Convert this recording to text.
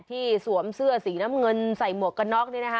สวมเสื้อสีน้ำเงินใส่หมวกกันน็อกนี่นะคะ